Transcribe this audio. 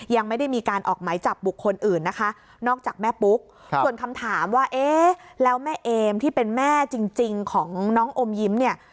ยังไม่ได้มีการออกไหมจับบุคคลอื่นนะคะนอกจากแม่ปุ๊กส่วนคำถามว่าเอ๊ะแล้วแม่เอมที่เป็นแม่จริงของน้องอมยิ้มเนี่ย